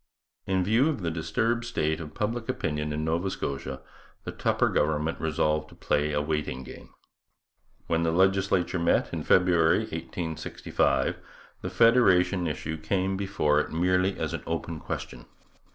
In view of the disturbed state of public opinion in Nova Scotia the Tupper government resolved to play a waiting game. When the legislature met in February 1865, the federation issue came before it merely as an open question.